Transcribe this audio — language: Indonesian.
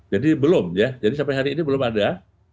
jadi belum ya jadi sampai hari ini belum ada